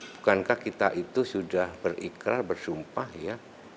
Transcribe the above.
bukankah kita itu sudah berikrar bersumpah ya